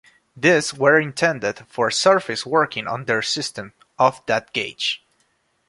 These were intended for surface working on their system of that gauge.